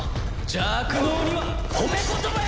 邪悪の王には褒め言葉よ！